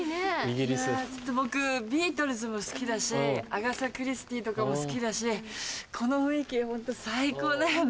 僕ビートルズも好きだしアガサ・クリスティとかも好きだしこの雰囲気ホント最高だよね。